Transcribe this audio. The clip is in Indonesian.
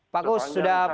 pak gus sudah